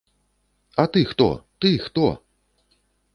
А ты хто, ты хто?